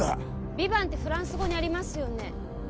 ヴィヴァンってフランス語にありますよね